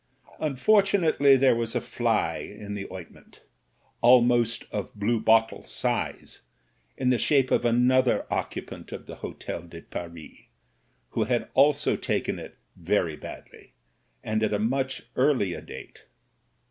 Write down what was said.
i6o MEN, WOMEN AND GUNS Unfortunately, there was a fly in the ointment — almost of bluebottle size — ^in the shape of another oc cupant of the Hotel de Paris, who had also taken it very badly, and at a much earlier date.